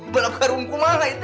balap karungku mana itu